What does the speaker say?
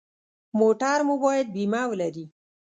موټر مو باید بیمه ولري.